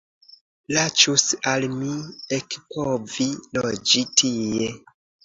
Plaĉus al mi ekpovi loĝi tie.